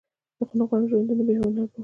زه خو نه غواړم ژوندون د بې هنبرو.